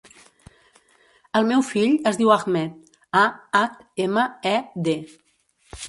El meu fill es diu Ahmed: a, hac, ema, e, de.